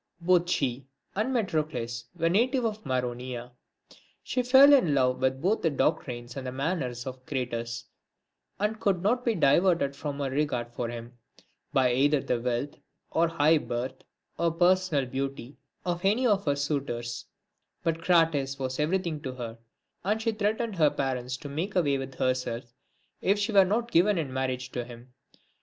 II. Both she and Metrocles were natives of Maronea. She fell in love with both the doctrines and manners of Crates, and could not be diverted from her regard for him, by either the wealth, or high birth, or personal beauty, of any of her suitors, but Crates was everything to her ; and she threatened her parents to make away with herself, if she were not given in marriage to him.